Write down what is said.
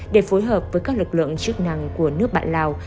để phối hợp với các lực lượng chức năng của nước bạn lào